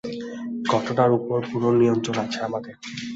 ঘটনার ওপর পুরো নিয়ন্ত্রণ আছে আমাদের।